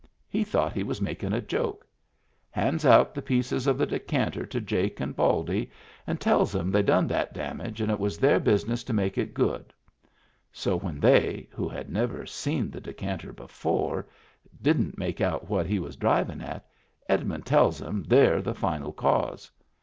He thought he was makin' a joke. Hands out the pieces of the decanter to Jake and Baldy, and tells 'em they done that damage and it was their business to make it good; so when they, who had never seen the decanter before, didn't make out what he was drivin' at, Edmund tells *em they're the final cause.